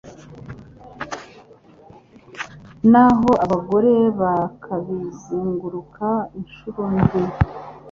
naho abagore bakakizenguruka incuro ndwi.